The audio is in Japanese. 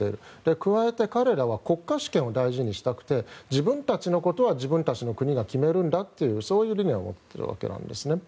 加えて、彼らは国家主権を大事にしたくて自分たちのことは自分たちの国が決めるんだとそういう思惑を持っているわけなんですね。